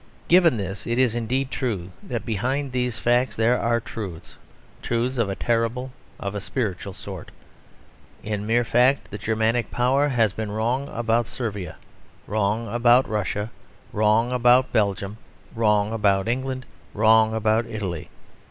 Given this, it is indeed true that behind these facts there are truths; truths of a terrible, of a spiritual sort. In mere fact, the Germanic power has been wrong about Servia, wrong about Russia, wrong about Belgium, wrong about England, wrong about Italy.